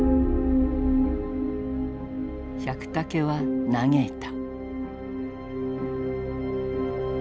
百武は嘆いた。